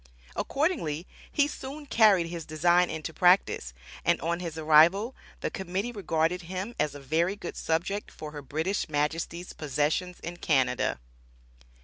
Accordingly he soon carried his design into practice, and on his arrival, the Committee regarded him as a very good subject for her British Majesty's possessions in Canada.